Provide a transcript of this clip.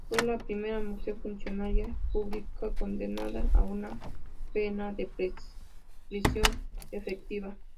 Fue la primera mujer funcionaria pública condenada a una pena de prisión efectiva.